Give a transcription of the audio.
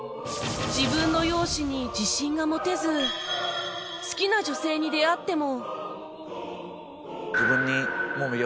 自分の容姿に自信が持てず好きな女性に出会っても